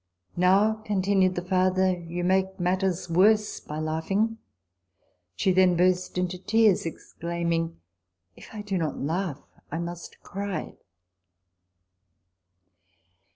' Now,' continued the father, ' you make matters worse by laughing.' She then burst into tears, exclaiming, ' If I do not laugh, I must cry.'